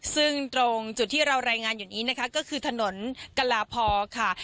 ซึ่งตรงจุดที่เรารายงานอยู่นี้นะคะก็คือถนนกลาพอค่ะ